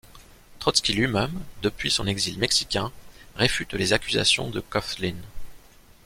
Trotsky lui-même, depuis son exil mexicain, réfute les accusations de Coughlin.